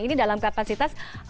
ini dalam kapasitas